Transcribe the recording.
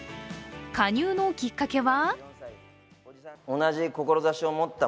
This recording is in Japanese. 加入のきっかけは？